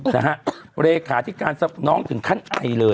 เหลขาที่การทรัพย์น้องถึงขั้นไอเลย